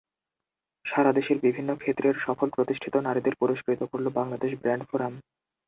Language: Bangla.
সারা দেশের বিভিন্ন ক্ষেত্রের সফল-প্রতিষ্ঠিত নারীদের পুরস্কৃত করল বাংলাদেশ ব্র্যান্ড ফোরাম।